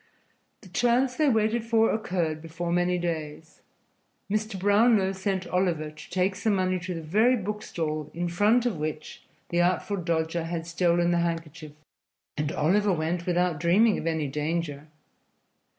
The chance they waited for occurred before many days. Mr. Brownlow sent Oliver to take some money to the very book stall in front of which the Artful Dodger had stolen the handkerchief, and Oliver went without dreaming of any danger.